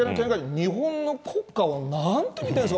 日本の国家をなんて見てるんですか？